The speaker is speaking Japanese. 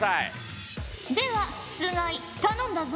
では須貝頼んだぞ。